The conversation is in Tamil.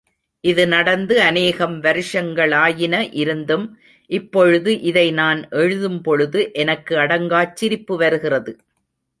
இது நடந்து அனேகம் வருஷங்களாயின இருந்தும் இப்பொழுது இதை நான் எழுதும்பொழுது, எனக்கு அடங்காச் சிரிப்பு வருகிறது!